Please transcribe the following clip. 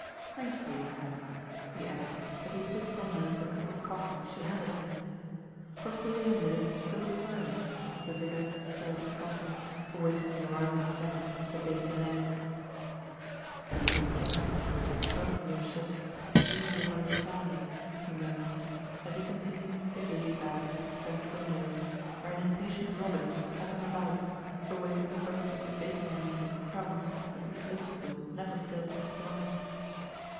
Thank you, Hannah," he added, as he took from her the cup of coffee she handed him. For fully a minute there was silence as the vicar stirred his coffee, awaiting the arrival of Janet with the bacon and eggs. "The instinct towards sun worship is easy of under standing," he murmured, as he continued to gaze out of the French windows, where an impatient robin was hopping about, awaiting the breakfast of bacon rind 56 THE VICAR DECIDES TO ACT 57 and crumbs that Miss Lipscombe never failed to supply.